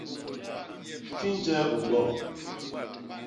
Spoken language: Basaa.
Kinjee u mboñ.